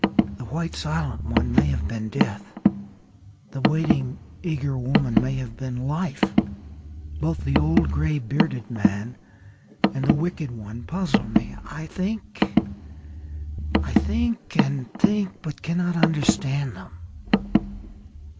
The white silent one may have been Death. The waiting eager woman may have been Life. Both the old grey bearded man and the wicked one puzzle me. I think and think but cannot understand them.